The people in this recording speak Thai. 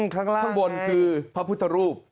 ข้างล่างข้างบนคือพระพุทธรูป